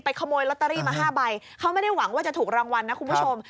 ขโมยลอตเตอรี่มา๕ใบเขาไม่ได้หวังว่าจะถูกรางวัลนะคุณผู้ชม